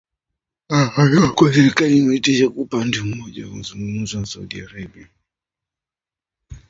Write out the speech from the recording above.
Iliripoti kuwa serikali imesitisha kwa upande mmoja mazungumzo na Saudi Arabia, ambayo yamekuwa yakiendelea mjini Baghdad